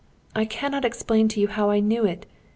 I cannot explain to you how I knew it!